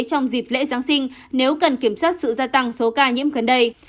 trong dịp lễ giáng sinh nếu cần kiểm soát sự gia tăng số ca nhiễm gần đây